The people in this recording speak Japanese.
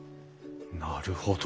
なるほど。